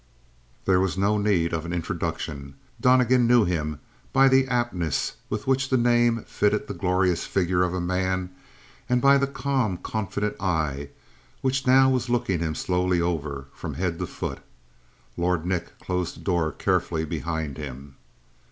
There was no need of an introduction. Donnegan knew him by the aptness with which the name fitted that glorious figure of a man and by the calm, confident eye which now was looking him slowly over, from head to foot. Lord Nick closed the door carefully behind him.